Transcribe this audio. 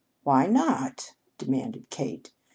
"Why not?" demanded Kate.